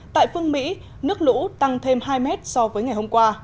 tại phương mỹ nước lũ tăng thêm hai mét so với ngày hôm qua